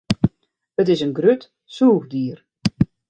It is in grut sûchdier.